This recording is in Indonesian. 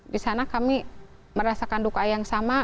di sana kami merasakan duka yang sama